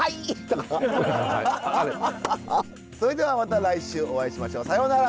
それではまた来週お会いしましょう。さようなら！